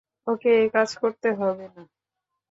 ওকে একাজ করতে হবে বা।